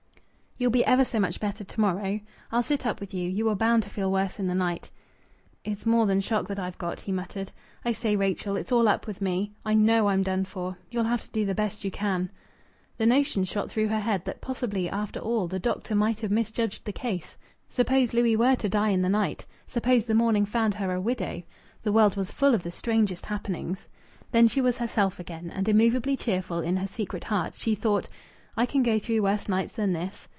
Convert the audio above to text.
"You'll be ever so much better to morrow. I'll sit up with you. You were bound to feel worse in the night." "It's more than shock that I've got," he muttered. "I say, Rachel, it's all up with me. I know I'm done for. You'll have to do the best you can." The notion shot through her head that possibly, after all, the doctor might have misjudged the case. Suppose Louis were to die in the night? Suppose the morning found her a widow? The world was full of the strangest happenings.... Then she was herself again and immovably cheerful in her secret heart. She thought: "I can go through worse nights than this.